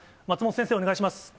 松本先生、お願いします。